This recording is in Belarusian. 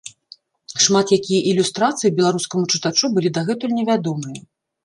Шмат якія ілюстрацыі беларускаму чытачу былі дагэтуль невядомыя.